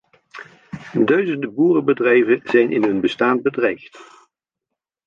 Duizenden boerenbedrijven zijn in hun bestaan bedreigd.